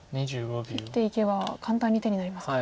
切っていけば簡単に手になりますか。